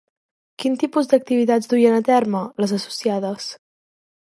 Quin tipus d'activitats duien a terme, les associades?